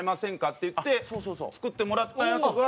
って言って作ってもらったやつが。